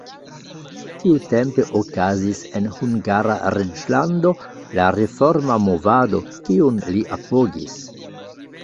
Tiutempe okazis en Hungara reĝlando la reforma movado, kiun li apogis.